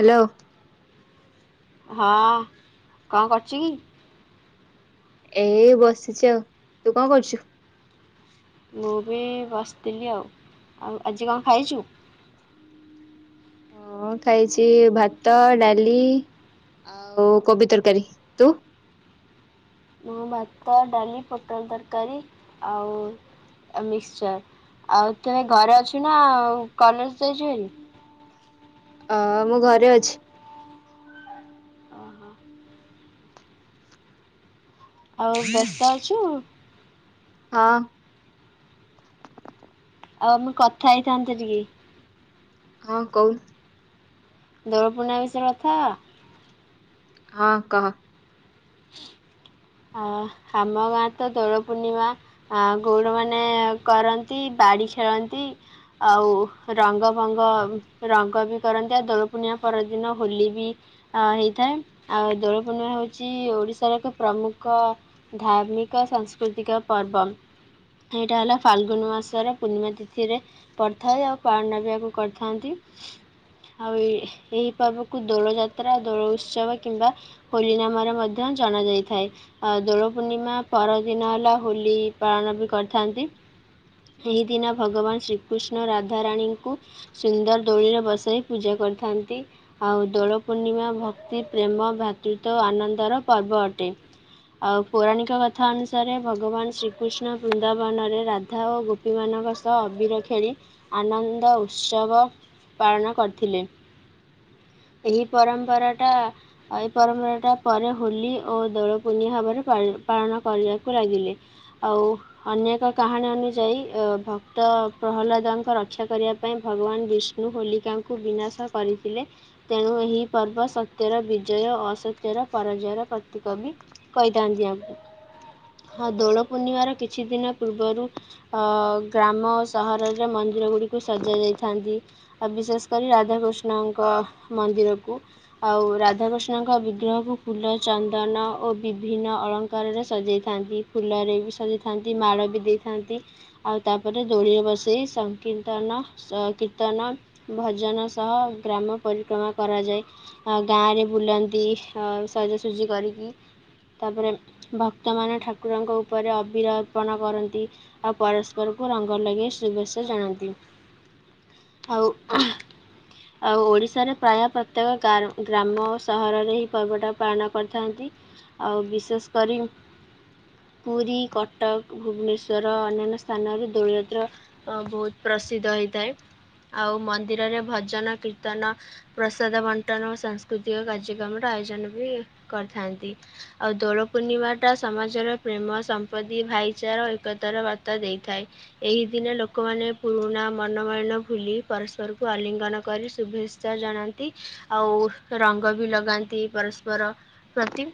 Hello. ହଁ କଁ କରୁଚି କି? ଏଇ ବସିଚି ଆଉ ତୁ କଁ କରୁଚୁ? ମୁଁ ବି ବସିଥିଲି ଆଉ, ଆଉ ଆଜି କଁ ଖାଇଛୁ? ମୁଁ ଖାଇଛି ଭାତ, ଡାଲି ଆଉ କୋବି ତରକାରୀ, ତୁ? ମୁଁ ଭାତ ଡାଲି ପୋଟଳ ତରକାରୀ ଆଉ ଆ ମିକ୍ସଚର ଆଉ ତୁ ଘରେ ଅଛୁ ନା କଲେଜ୍ ଯାଇଛୁ ହାରି? ଅ ମୁଁ ଘରେ ଅଛି। ଓହୋ। ଆଉ ବ୍ୟସ୍ତ ଅଛୁ। ହଁ। ଆଉ ଆମେ କଥା ହେଇଥାନ୍ତେ ଟିକେ। ହଁ କହୁ ଦୋଳ ପୂର୍ଣ୍ଣିମା ବିଷୟରେ କଥା ହବା? ହଁ କହ। ଅ ଆମ ଗାଁ ରେ ତ ଦୋଳ ପୂର୍ଣ୍ଣିମା ଆ ଗୌଡ଼ ମାନେ କରନ୍ତି, ବାଡି ଖେଳନ୍ତି ଆଉ ରଙ୍ଗ, ଫଙ୍ଗ ରଙ୍ଗ ବି କରନ୍ତି ଆଉ ଦୋଳପୂର୍ଣ୍ଣିମା ପରଦିନ ହୋଲି ବି ହେଇଥାଏ, ଆଉ ଦୋଳପୂର୍ଣ୍ଣିମା ହେଉଛି ଚି ଓଡ଼ିଶାର ଏକ ପ୍ରମୁଖ ଧାର୍ମିକ ସାଂସ୍କୃତିକ ପର୍ବ। ଏଇଟା ହେଲା ଫାଲଗୁନ ମାସରେ ପୂର୍ଣ୍ଣିମା ତିଥିରେ ପଡଥାଏ, ଆଉ ପାଳନ ବି ଆକୁ କରିଥାନ୍ତି। ଆଉ ଏ ଏହି ପର୍ବକୁ ଦୋଳ ଯାତ୍ରା ଦୋଳ ଉତ୍ସବ କିମ୍ବା ହୋଲି ନାମରେ ପଦା ଜଣାଯାଇଥାଏ। ଆ ଦୋଳ ପୂର୍ଣ୍ଣିମା ପରଦିନ ହେଲା ହୋଲି ପାଳନ ବି କରିଥାନ୍ତି। ଏହିଦିନ ଭଗବାନ ଶ୍ରୀକୃଷ୍ଣ ରାଧାରାଣୀଙ୍କୁ ସୁନ୍ଦର ଦୋଳିରେ ବସାଇ ପୂଜା କରିଥାନ୍ତି। ଆଉ ଦୋଳ ପୂର୍ଣ୍ଣିମା ଭକ୍ତି ପ୍ରେମ ଭ୍ରାତୃତ୍ୱ ଓ ଆନନ୍ଦର ପର୍ବ ଅଟେ। ଆଉ ପୌରାଣିକ କଥା ଅନୁସାରେ ଭଗବାନ ଶ୍ରୀକୃଷ୍ଣ ବୃନ୍ଦାବନରେ ରାଧା ଓ ଗୁ ଗୋପି ମାନଙ୍କ ସହ ଅବିର ଖେଳି ଆନନ୍ଦ ଉତ୍ସବ ପାଳନ କରିଥିଲେ। ଏହି ପରମ୍ପରାଟା ଏଇ ପରମ୍ପରାଟା ପରେ ହୋଲି ଓ ଦୋଳ ପୂର୍ଣ୍ଣି ଭାବରେ ପାଳନ କରିବାକୁ ଲାଗିଲେ। ଆଉ ଅନ୍ୟ ଏକ କାହାଣୀ ଅନୁଯାୟୀ ଅ ଭକ୍ତ ପ୍ରହ୍ଲାଦଙ୍କ ର ରକ୍ଷା କରିବା ପାଇଁ ଭଗବାନ ବିଷ୍ଣୁ ହୋଲିକାଙ୍କୁ ବିନାଶ କରିଥିଲେ। ତେଣୁ ଏହି ପର୍ବ ସତ୍ୟର ବିଜୟ ଅସତ ଜର ପରାଜୟର ପ୍ରତୀକ ବି କହିଥାନ୍ତି ଆମକୁ ହଁ ଦୋଳ ପୂର୍ଣ୍ଣିମାର କିଛି ଦିନ ପୂର୍ବରୁ ହ ଗ୍ରାମ ସହରରେ ମନ୍ଦିର ଗୁଡ଼ିକୁ ସଜା ଯାଇଥାନ୍ତି। ଆଉ ବିଶେଷ କରି ରାଧାକୃଷ୍ଣଙ୍କ ମନ୍ଦିରକୁ ଆଉ ରାଧାକୃଷ୍ଣଙ୍କ ବି ଗ୍ରହକୁ ଫୁଲ ଚନ୍ଦନ ଓ ବିଭିନ୍ନ ଅଳଙ୍କାରରେ ସଜେଇଥାନ୍ତି ଫୁଲରେ ବି ସଜେଇ ଥାନ୍ତି ମାଳ ବି ଦେଇଥାନ୍ତି। ଆଉ ତାପରେ ଦୋଳିରେ ବସେଇ ସଂକୀର୍ତନ କୀର୍ତ୍ତନ ଭଜନ ସହ ଗ୍ରାମ ପରିକ୍ରମା କରାଯାଏ ଗାଁରେ ବୁଲନ୍ତି। ଅ ସଜାସଜି କରିକି ତାପରେ ଭକ୍ତମାନେ ଠାକୁରଙ୍କ ଉପରେ ଅବିର ଅର୍ପଣ କରନ୍ତି। ଆଉ ପରସ୍ପରକୁ ରଙ୍ଗ ଲଗେଇ ଶୁଭେଚ୍ଛା ଜଣାନ୍ତି। ଆଉ ହା। ଆଉ ଓଡ଼ିଶାରେ ପ୍ରାୟ ପ୍ରତ୍ୟେକ ଗ୍ରାମ ଓ ସହରରେ ପର୍ବଟା ପାଳନ କରିଥାନ୍ତି ଆଉ ବିଶେଷ କରି ପୁରୀ କଟକ ଭୁବନେଶ୍ଵର ଅନ୍ୟାନ୍ୟ ସ୍ଥାନରେ ଦୋଳଯାତ୍ରା ବହୁତ ପ୍ରସିଦ୍ଧ ହୋଇଥାଏ ଆଉ ମନ୍ଦିରରେ ଭଜନ କୀର୍ତ୍ତି ତ ପ୍ରସାଦ ବଣ୍ଟନ ଓ ସାଂସ୍କୃତିକ କାର୍ଯ୍ୟକ୍ରମ ଆୟୋଜନ ବି କରିଥାନ୍ତି ଆଉ ଦୋଳ ପୂର୍ଣ୍ଣିମା ଟା ସମାଜର ପ୍ରେମ ସ ପଦି ଭାଇଚାରା ଏକତାର ବାର୍ତ୍ତା ଦେଇଥାଏ। ଏହି ଦିନେ ଲୋକମାନେ ପୁରୁଣା ମନମୟନ ଭୁଲି ପରସ୍ପରକୁ ଆଲିଙ୍ଗନ କରି ଶୁଭେଚ୍ଛା ଚ ଜଣାନ୍ତି ଆଉ ରଙ୍ଗ ବି ଲଗାନ୍ତି ପରସ୍ପର ପ୍ରତି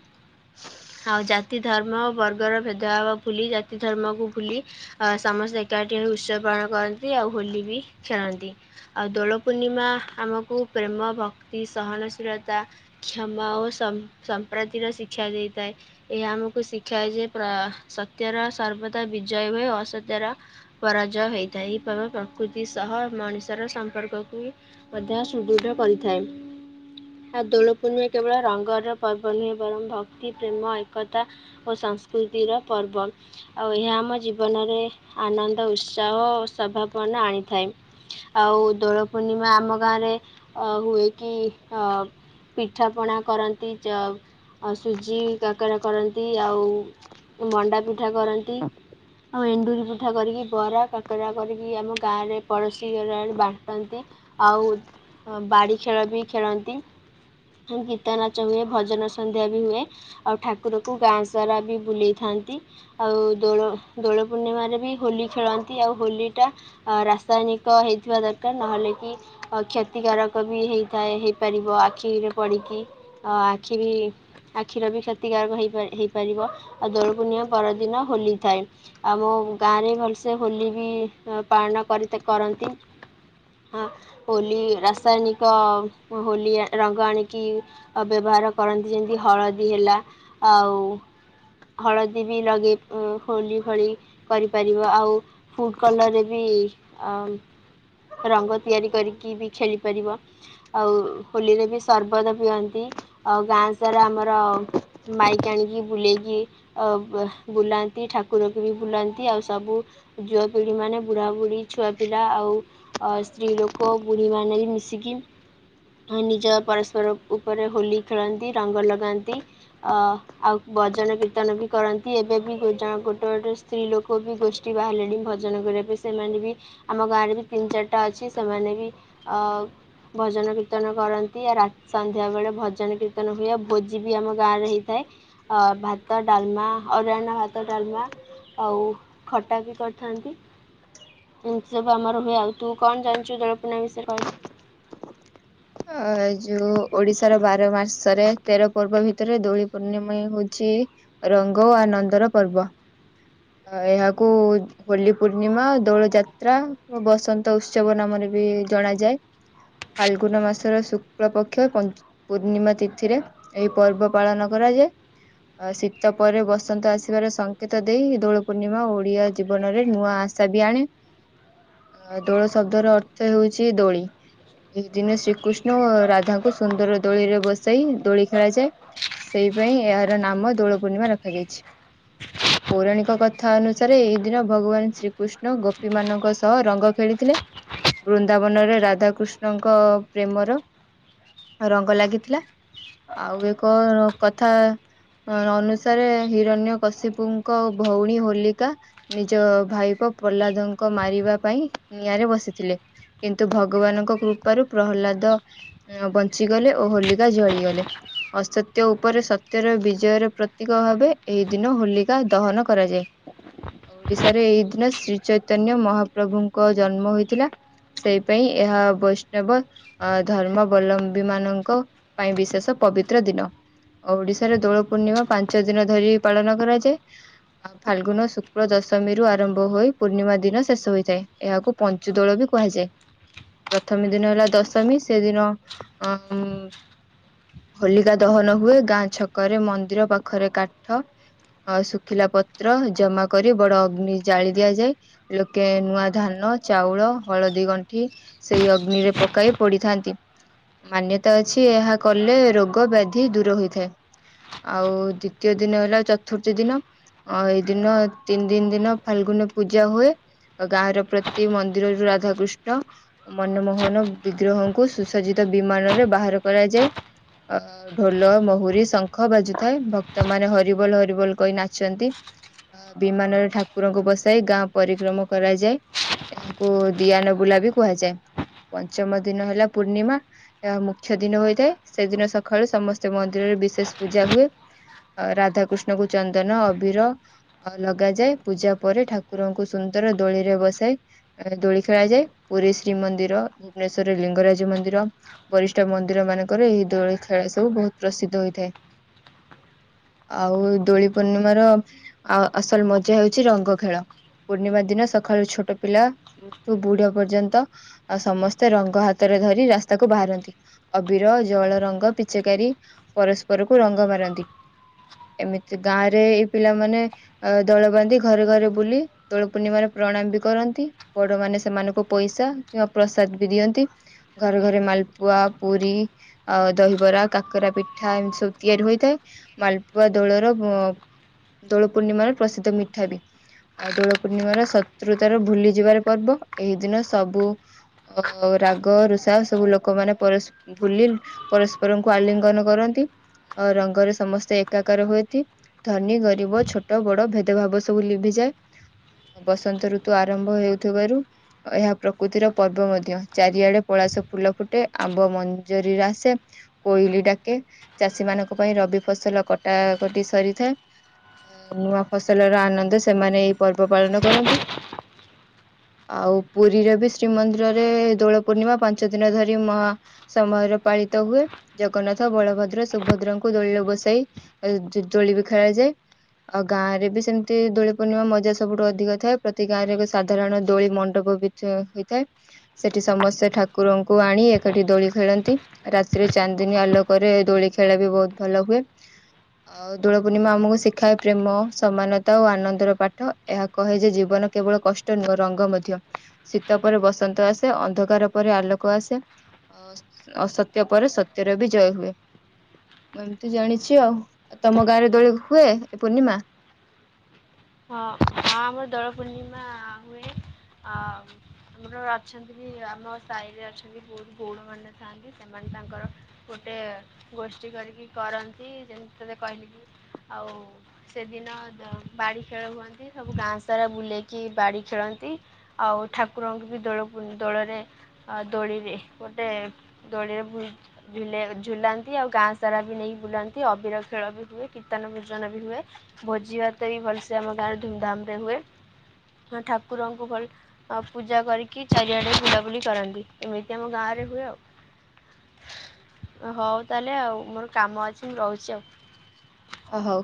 ଆଉ ଜାତି ଧର୍ମ ବର୍ଗର ଭେଦଭାବ ଭୁଲି ଜାତି ଧର୍ମକୁ ଭୁଲି ଅ ସମସ୍ତେ ଏକାଠି ହେ ଉତ୍ସବ ପାଳନ କରନ୍ତି ଆଉ ହୋଲି ବି ଖେଳନ୍ତି। ଆଉ ଦୋଳ ପୂର୍ଣ୍ଣିମା ଆମକୁ ପ୍ରେମ ଭକ୍ତି ସହନଶୀଳତା କ୍ଷମା ଓ ସମ୍ପ୍ରତିର ଶିକ୍ଷା ଦେଇଥାଏ। ଏହା ଆମକୁ ଶିକ୍ଷା ଯେ ସତ୍ୟର ସର୍ବଦା ବିଜୟ ହୁଏ ଅସତ୍ୟର ପରାଜୟ ହେଇଥାଏ ପ୍ରକୃତି ସହ ମଣିଷର ସମ୍ପର୍କକୁ ବି ମଧ୍ୟ ସୁଦୃଢ କରିଥାଏ ଆ ଦୋଳ କୁଣେଁ କେବଳ ରଙ୍ଗର ପର୍ବ ନୁହେଁ ବରଂ ଭକ୍ତି ପ୍ରେମ ଏକତା ଓ ସଂସ୍କୃତିର ପର୍ବ। ଆଉ ଏହା ଆମ ଜୀବନରେ ଆନନ୍ଦ, ଉତ୍ସାହ, ସ୍ୱଭାବନା ଆଣିଥାଏ। ଆଉ ଦୋଳ ପୂର୍ଣ୍ଣିମା ଆମ ଗାଁରେ ଅ ହୁଏ କି ଅ ପିଠାପଣା କରନ୍ତି, ଚ ଆଉ ସୁଜି କାକରା କରନ୍ତି ଆଉ ମଣ୍ଡା ପିଠା କରନ୍ତି। ଆଉ ଏଣ୍ଡୁରି ପିଠା କରିକି ବରା କାକେରା କରିକି ଆମ ଗାଁରେ ପଡ଼ୋଶୀ ଘର ଆଡେ ବାଣ୍ଟନ୍ତି। ଆଉ ବାଡ଼ି ଖେଳ ବି ଖେଳନ୍ତି। ଆ ଗୀତ ନାଚ ହୁଏ, ଭଜନ ସନ୍ଧ୍ୟା ବି ହୁଏ। ଆଉ ଠାକୁରକୁ ଗାଁ ସାରା ବି ବୁଲେଇଥାନ୍ତି। ଆଉ ଦୋଳ ଦୋଳ ପୂର୍ଣ୍ଣିମାରେ ବି ହୋଲି ଖେଳନ୍ତି, ଆଉ ହୋଲି ଟା ଅ ରାସାୟନିକ ହେଇଥିବା ଦରକାର ନହେଲେ କି ଆଉ କ୍ଷତିକାରକ ବି ହେଇଥାଏ ହେଇପାରିବ ଆଖିରେ ପଡିକି ଅ ଆଖି ବି ଆଖିର ବି କ୍ଷତିକାରକ ହେଇ ହେଇପାରିବ, ଆଉ ଦୋଳ ପୂର୍ଣ୍ଣିମା ପରଦିନ ହୋଲି ଥାଏ। ଆମ ଗାଁ ରେ ଭଲସେ ହୋଲି ବି ପାଳନ କରିତେ କରନ୍ତି। ହଁ ହୋଲି ରାସାୟନିକ ହୋଲି ରଙ୍ଗ ଆଣି କି ବ୍ୟବହାର କରନ୍ତି ଯେମିତି ହଳଦୀ ହେଲା ଆଉ ହଳଦୀ ବି ଲଗେଇ ହୋଲି ଭଳି କରିପାରିବ, ଆଉ ଫୁଡ୍ କଲର୍ ରେ ବି ଆ ରଙ୍ଗ ତିଆରି କରିକି ବି ଖେଳିପାରିବ, ଆଉ ହୋଲିରେ ବି ସର୍ବତ ପିଅନ୍ତି ଆଉ ଗାଁ ସାରା ଆମର ମାଇକ୍ ଆଣିକି ବୁଲେଇକି ଅ ବୁଲାନ୍ତି ଠାକୁରକୁ ବି ବୁଲାନ୍ତି ଆଉ ସବୁ ଯୁଅପିଢି ମାନେ ବୁଢାବୁଢ଼ୀ ଛୁଆ ପିଲା ଆଉ ଅ ସ୍ତ୍ରୀ ଲୋକ ବୁଢ଼ୀ ମାନେ ବି ମିଶିକି ନିଜ ପରସ୍ପର ଉପରେ ହୋଲି ଖେଳନ୍ତି, ରଙ୍ଗ ଲଗାନ୍ତି। ଅ ଆଉ ବଜନ କୀର୍ତ୍ତନ ବି କରନ୍ତି ଏବେ ବି ଜଣ ଗୋଟେ ଗୋଟେ ସ୍ତ୍ରୀ ଲୋକ ବି ଗୋଷ୍ଠୀ ବାହାରିଲେଣି ଭଜନ କରିବା ପାଇଁ ସେମାନେ ବି ଆମ ଗାଁରେ ବି ତିନି ଚାରିଟା ଅଛି ସେମାନେ ବି ଅ ଭଜନ କୀର୍ତ୍ତନ କରନ୍ତି। ରାତି ସନ୍ଧ୍ୟାବେଳେ ଭଜନ କୀର୍ତ୍ତନ ହୁଏ ଆଉ ଭୋଜି ବି ଆମ ଗାଁ ରେ ହେଇଥାଏ। ଅ ଭାତ, ଡାଲମା ଅରୁଆନ୍ନ ଭାତ, ଡାଲମା ଆଉ ଖଟା ବି କରିଥାନ୍ତି। ଏମିତି ସବୁ ଆମର ହୁଏ, ଆଉ ତୁ କଣ ଜାଣିଛୁ ଦୋଳପୂର୍ଣ୍ଣିମା ବିଷୟରେ କହିଲୁ? ଅ ଯୋଉ ଓଡିଶାର ବାର ମାସରେ ତେର ପର୍ବ ଭିତରେ ଦୋଳି ପୂର୍ଣ୍ଣିମିହଉଚି ରଙ୍ଗ ଓ ଆନନ୍ଦର ପର୍ବ। ଆ ଏହାକୁ ହୋଲି ପୂର୍ଣ୍ଣିମା, ଦୋଳ ଯାତ୍ରା, ବସନ୍ତ ଉତ୍ସବ ନାମରେ ବି ଜଣାଯାଏ, ଫାଲଗୁନ ମାସ ର ଶୁକ୍ଳ ପକ୍ଷ ପୂର୍ଣ୍ଣିମା ତିଥିରେ ଏହି ପର୍ବ ପାଳନ କରାଯାଏ। ଅ ଶୀତ ପରେ ବସନ୍ତ ଆସିବାର ସଂଙ୍କେତ ଦେଇ ଦୋଳ ପୂର୍ଣ୍ଣିମା ଓଡିଆ ଜୀବନରେ ନୂଆ ଆସ ସା ବି ଆଣେ। ଆ ଦୋଳ ଶବ୍ଦର ଅର୍ଥ ହେଉଛି ଦୋଳି, ଏ ଦିନେ ଶ୍ରୀ କୃଷ୍ଣ ଓ ରାଧାଙ୍କୁ ସୁନ୍ଦର ଦୋଳିରେ ବସାଇ ଦୋଳି ଖେଳାଯାଏ। ସେଇ ପାଇଁ ଏହାର ନାମ ଦୋଳପୂର୍ଣ୍ଣିମା ରଖାଯାଇଛି। ପୌରାଣିକ କଥା ଅନୁସାରେ ଏହି ଦିନ ଭଗବାନ ଶ୍ରୀକୃଷ୍ଣ ଗୋପୀ ମାନଙ୍କ ସହ ରଙ୍ଗ ଖେଳିଥିଲେ। ବୃନ୍ଦାବନରେ ରାଧାକୃଷ୍ଣଙ୍କ ପ୍ରେମର ରଙ୍ଗ ଲାଗିଥିଲା, ଆଉ ଏକ କଥା ଅ ଅନୁସାରେ ହିରଣ୍ୟ କଶ୍ୟପଙ୍କ ଭଉଣୀ ହୋଲିକା ନିଜ ଭାଇପ ପ୍ରହ୍ଲାଦଙ୍କ ମାରିବା ପାଇଁ ନିଆଁରେ ବସିଥିଲେ। କିନ୍ତୁ ଭଗବାନଙ୍କ କୃପାରୁ ପ୍ରହ୍ଲାଦ ଅ ବଞ୍ଚିଗଲେ ଓ ହୋଲିକା ଜଳିଗଲେ। ଅସତ୍ୟ ଓପରେ ସତ୍ୟର ବିଜୟର ପ୍ରତୀକ ଭାବେ ଏହି ଦିନ ହୋଲିକା ଦହନ କରାଯାଏ। ହ ଓଡ଼ିଶାରେ ଏଇ ଦିନ ଶ୍ରୀ ଚୈତନ୍ୟ ମହାପ୍ରଭୁଙ୍କ ଜନ୍ମ ହୋଇଥିଲା। ସେଇ ପାଇଁ ଏହା ବୈସ୍ ନବ ଅ ଧର୍ମାବଲମ୍ବୀ ମାନଙ୍କ ପାଇଁ ବିଶେଷ ପବିତ୍ର ଦିନ। ଓଡ଼ିଶାରେ ଦୋଳ ପୂର୍ଣ୍ଣିମା ପାଞ୍ଚ ଦିନ ଧରି ପାଳନ କରାଯାଏ। ଆ ଫାଲଗୁନ ଶୁକ୍ଳ ଦଶମୀରୁ ଆରମ୍ଭ ହୋଇ ପୂର୍ଣ୍ଣିମା ଦିନ ଶେଷ ହୋଇଥାଏ ଏହାକୁ ପଞ୍ଚୁ ଦୋଳ ବି କୁହାଯାଏ। ଶମୀ ଦିନ ହେଲା ଦଶମୀ ସେ ଦିନ ଅ ଉ ହୋଲିକା ଦହନ ହୁଏ ଗାଁ ଛକରେ ମନ୍ଦିର ପାଖରେ କାଠ ଅ ଶୁଖିଲା ପତ୍ର ଜମା କରି ବଡ଼ ଅଗ୍ନି ଜାଳି ଦିଆଯାଏ। ଲୋକେ ନୂଆ ଧାନ ଚାଉଳ ହଳଦୀ ଗଣ୍ଠି ସେଇ ଅଗ୍ନିରେ ପକାଇ ପୋଡ଼ିଥାନ୍ତି। ମାନ୍ୟତା ଅଛି ଏହା କଲେ ରୋଗ ବ୍ୟାଧି ଦୂର ହୋଇଥାଏ। ଆଉ ଦ୍ଵିତୀୟ ଦିନ ହେଲା ଛତୁର୍ଥୀ ଦିନ। ଅ ଏଇ ଦିନ ତିନି ଦିନି ଦିନ ଫାଲଗୁନି ପୂଜା ହୁଏ। ଅ ଗାଁ ର ପ୍ରତି ମନ୍ଦିରରୁ ରାଧାକୃଷ୍ଣ ମନମୋହନ ବିଗ୍ରହଙ୍କୁ ସୁସଜିତ ବିମାନରେ ବାହାର କରାଯାଏ ଅ ଢ଼ୋଲ ମୋହୁରି ଶଙ୍ଖ ବାଜୁଥାଏ ଭକ୍ତ ମାନ ହରିବୋଲ ହରିବୋଲ କହି ନାଚନ୍ତି। ଅ ବିମାନରେ ଠାକୁରଙ୍କୁ ବସାଇ ଗାଁ ପରିକ୍ରମ କରାଯାଏ। ଏହାକୁ ଦିଆନ ବୁଲା ବି କୁହାଯାଏ ପଞ୍ଚମ ଦିନ ହେଲା ପୂର୍ଣ୍ଣିମା। ଏହା ମୁଖ୍ୟ ଦିନ ହୋଇଥାଏ ସେଦିନ ସଖାଳୁ ସମସ୍ତେ ମନ୍ଦିରରେ ବିଶେଷ ପୂଜା ହୁଏ। ଅ ରାଧାକୃଷ୍ଣ କୁ ଚନ୍ଦନ ଅବିର ଅ ଲଗାଯାଏ ପୂଜା ପରେ ଠାକୁରଙ୍କୁ ସୁନ୍ଦର ଦୋଳିରେ ବସାଇ ରେ ଦୋଳି ଖେଳାଯାଏ ପୁରୀ ଶ୍ରୀ ମନ୍ଦିର ଭୁବନେଶ୍ୱରେ ଲିଙ୍ଗରାଜ ମନ୍ଦିର ବରିଷ୍ଠ ମନ୍ଦିର ମାନଙ୍କର ଏହି ଦୋଳି ଖେଳ ସବୁ ବହୁତ ପ୍ରସିଦ୍ଧ ହୋଇଥାଏ। ଆଉ ଦୋଳି ପୂର୍ଣ୍ଣିମାର ଆ ଅସଲ ମଜା ହେଉଛି ରଙ୍ଗ ଖେଳ। ପୂର୍ଣ୍ଣିମା ଦିନ ସଖାଳୁ ଛୋଟ ପିଲା ଠୁ ବୁଢ଼ ପର୍ଯ୍ୟନ୍ତ ଆ ସମସ୍ତେ ରଙ୍ଗ ହାତରେ ଧରି ରାସ୍ତାକୁ ବାହାରନ୍ତି। ଅବିର ଜଳ ରଙ୍ଗ ପିଚିକାରୀ ପରସ୍ପରକୁ ରଙ୍ଗ ମାରନ୍ତି। ଏମିତି ଗାଁରେ ଏଇ ପିଲାମାନେ ଆ ଦଳ ବାନ୍ଧି ଘରେ ଘରେ ବୁଲି ଦୋଳ ପୂର୍ଣ୍ଣିମାରେ ପ୍ରଣାମ୍ ବି କରନ୍ତି। ବଡ଼ ମାନେ ସେମାନଙ୍କୁ ପଇସା କିମ୍ବା ପ୍ରସାଦ ବି ଦିଅନ୍ତି। ଘରେ ଘରେ ମାଲପୁଆ ପୁରୀ ଆଉ ଦହିବରା କାକରା ପିଠା ଏମିତି ସବୁ ତିଆରି ହୋଇଥାଏ। ମାଲପୁଆ ଦୋଳର ଅ ଦୋଳ ପୂର୍ଣ୍ଣିମାର ପ୍ରସିଦ୍ଧ ମିଠା ବି। ଅ ଦୋଳ ପୂର୍ଣ୍ଣିମାର ଶତ୍ରୁତାର ଭୁଲି ଯିବାର ପର୍ବ ଏହି ଦିନ ସବୁ ଅ ରାଗ ରୁଷା ସବୁ ଲୋକମାନେ ପରସ୍ ଭୁଲି ପରସ୍ପରଙ୍କୁ ଆଲିଙ୍ଗନ କରନ୍ତି। ଅ ରଙ୍ଗରେ ସମସ୍ତେ ଏକାକାର ହୁଏତି। ଧନୀ ଗରିବ ଛୋଟ ବଡ଼ ଭେଦଭାବ ସବୁ ଲିଭିଯାଏ। ବସନ୍ତ ଋତୁ ଆରମ୍ଭ ହେଉଥିବାରୁ ଏହା ପ୍ର କୃତିର ପର୍ବ ମଧ୍ୟ, ଚାରିଆଡେ ପଳାସ ଫୁଲ ଫୁଟେ ଆମ୍ବ ମଞ୍ଜରୀରେ ଆସେ। କୋଇଲି ଡାକେ ଚାଷୀ ମାନଙ୍କ ପାଇଁ ରବି ଫସଲ କଟାକଟି ସରିଥାଏ। ନୂଆ ଫସଲର ଆନନ୍ଦ ସେମାନେଇ ପର୍ବ ପାଳନ କରନ୍ତି, ଆଉ ପୁରୀରେ ବି ଶ୍ରୀମନ୍ଦିରରେ ଦୋଳ ପୂର୍ଣ୍ଣିମା ପାଞ୍ଚ ଦିନ ଧରି ମ ସମୟରେ ପାଳିତ ହୁଏ, ଜଗନ୍ନାଥ, ବଳଭଦ୍ର, ସୁଭଦ୍ରଙ୍କୁ ଦୋଳିରେ ବସାଇ ଆ ଦୋଳି ବି ଖେଳାଯାଏ। ଆଉ ଗାଁରେ ବି ସେମିତି ଦୋଳି ପୂର୍ଣ୍ଣିମା ମଜା ସବୁଠୁ ଅଧିକ ଥାଏ ପ୍ରତି ଗାଁରେ ଏକ ସାଧାରଣ ଦୋଳି ମଣ୍ଡପ ବି ସେ ହୋଇଥାଏ ସେଠି ସମସ୍ତେ ଠାକୁରଙ୍କୁ ଆଣି ଏକାଠି ଦୋଳି ଖେଳନ୍ତି। ରାତିରେ ଚାନ୍ଦିନୀ ଆଲୋକରେ ଦୋଳି ଖେଳ ବି ବହୁତ ଭଲ ହୁଏ। ଆଉ ଦୋଳ ପୂର୍ଣ୍ଣିମା ଆମକୁ ଶିଖାଏ ପ୍ରେମ, ସମାନତା ଓ ଆନନ୍ଦର ପାଠ ଏହା କହେ ଯେ ଜୀବନ କେବଳ କଷ୍ଟ ନୂଅ ରଙ୍ଗ ମଧ୍ୟ। ଶୀତ ପରେ ବସନ୍ତ ଆସେ, ଅନ୍ଧକାର ପରେ ଆଲୋକ ଆସେ। ଅସତ୍ୟ ପରେ ସତ୍ୟର ବି ଜୟ ହୁଏ। ମୁଁ ଏମତି ଜାଣିଛି ଆଉ ତମ ଗାଁରେ ଦୋଳି ହୁଏ ପୂର୍ଣ୍ଣିମା। ହଁ ହଁ ଆମର ଦୋଳ ପୂର୍ଣ୍ଣିମା ହୁଏ, ଆ ଆମର ଅଛନ୍ତି ବି ଆମ ସାଇରେ ଅଛନ୍ତି ବହୁତ ଗଉଡ ମାନେ ଥାନ୍ତି। ସେମାନେ ତାଙ୍କର ଗୋଟେ ଗୋଷ୍ଠୀ କରିକି କରନ୍ତି, ଯେମିତି ତତେ କହିଲି କି ଆଉ ସେଦିନ ବାଡି ଖେଳ ହୁଅନ୍ତି ସବୁ ଗାଁ ସାରା ବୁଲେଇକି ବାଡ଼ି ଖେଳନ୍ତି। ଆଉ ଠାକୁରଙ୍କୁ ବି ଦୋଳ ପୁ ଦୋଳରେ ଆ ଦୋଳିରେ ଗୋଟେ ଦୋଳିରେ ଝୁଲାଇ ଝୁଲାନ୍ତି ଆଉ ଗାଁ ସାରା ବି ନେଇକି ବୁଲନ୍ତି ଅବିର ଖେଳ ବି ହୁଏ କ୍ରୀତ୍ତନ ଫ୍ରୀତ୍ତନ ବି ହୁଏ। ଭୋଜି ଭାତ ବି ଭଲସେ ଆମ ଗାଁରେ ଧୁମଧାମ ରେ ହୁଏ, ଠାକୁରଙ୍କୁ ଭଲ ଅ ପୂଜା କରିକି ଚାରିଆଡେ ବୁଲାବୁଲି କରନ୍ତି, ଏମିତି ଆମ ଗାଁରେ ହୁଏ ଆଉ। ହଉ ତାହେଲେ ଆଉ ମୋର କାମ ଅଛି ମୁଁ ରହୁଛି ଆଉ। ଅ ହଉ।